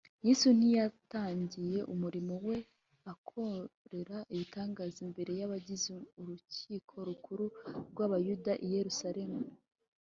Yesu ntiyatangiye umurimo we akorera ibitangaza imbere y’abagize Urukiko Rukuru rw’Abayuda i Yerusalemu